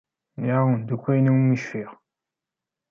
Nniɣ-awen-d akk ayen iwumi cfiɣ.